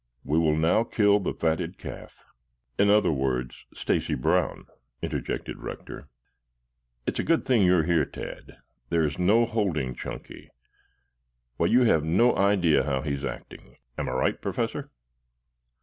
We will now kill the fatted calf." "In other words, Stacy Brown," interjected Rector. "It's a good thing you are here, Tad. There is no holding Chunky. Why, you have no idea how he is acting. Am I right, Professor?"